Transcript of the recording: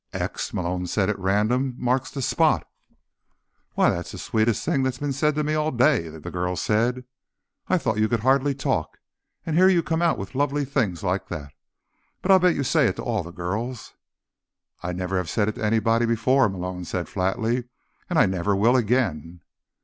"X," Malone said at random, "marks the spot." "Why, that's the sweetest thing that's been said to me all day," the girl said. "I thought you could hardly talk, and here you come out with lovely things like that. But I'll bet you say it to all the girls." "I have never said it to anybody before," Malone said flatly. "And I never will again."